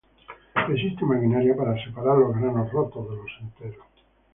Existe maquinaria para separar los granos rotos de los enteros.